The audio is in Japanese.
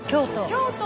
京都！